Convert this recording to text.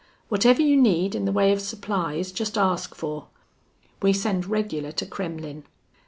Whatever you need in the way of supplies jest ask fer. We send regular to Kremmlin'.